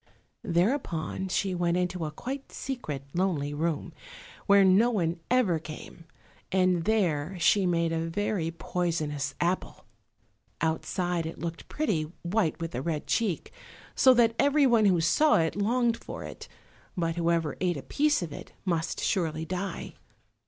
Thereupon she went into a quite secret, lonely room, where no one ever came, and there she made a very poisonous apple. Outside it looked pretty, white with a red cheek, so that everyone who saw it longed for it; but whoever ate a piece of it must surely die.